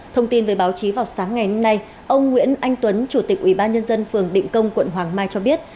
thông tin về báo chí vào sáng ngày hôm nay ông nguyễn anh tuấn chủ tịch ủy ban nhân dân phường định công quận hoàng mai cho biết